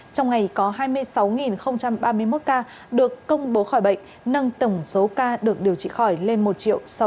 trong ngày có hai mươi sáu ba mươi một ca được công bố khỏi bệnh nâng tổng số ca được điều trị khỏi lên một sáu trăm sáu mươi một chín trăm ba mươi ca